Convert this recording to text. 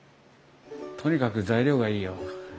とにかく材料がいいよ。